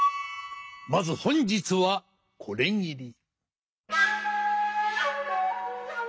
まず本日はこれぎり。